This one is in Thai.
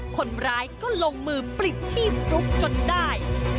คนร้ายก็ลงมือปลิดชีพฟลุ๊กจนได้